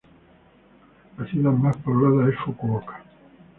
La ciudad más poblada es "Fukuoka".